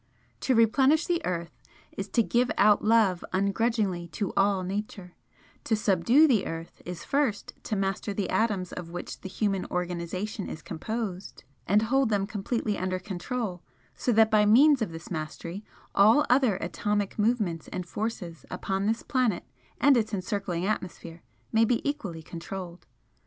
To 'replenish' the earth is to give out love ungrudgingly to all Nature, to 'subdue' the earth, is first, to master the atoms of which the human organisation is composed, and hold them completely under control, so that by means of this mastery, all other atomic movements and forces upon this planet and its encircling atmosphere may be equally controlled.